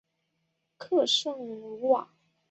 圣克鲁瓦。